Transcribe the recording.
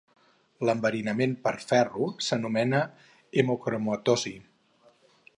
L'enverinament per ferro s'anomena hemocromatosi.